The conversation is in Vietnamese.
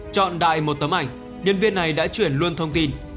chọn đại một tấm ảnh nhân viên này đã chuyển luôn thông tin